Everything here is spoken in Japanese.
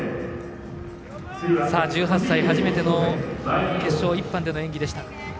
１８歳、初めての決勝１班での演技でした。